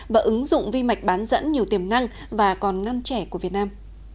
và ứng dụng vi mạch bán dẫn nhiều tiềm năng và còn ngăn trẻ của việt nam